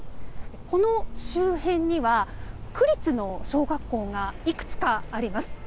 この周辺には区立の小学校がいくつかあります。